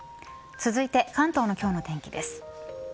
続いて関東の今日の天気です。